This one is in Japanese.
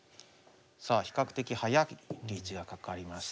さあ比較的早いリーチがかかりました。